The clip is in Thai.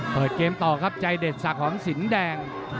เปิดเกมต่อครับใจเด็ดสักหอมสินแดง